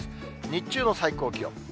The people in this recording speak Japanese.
日中の最高気温。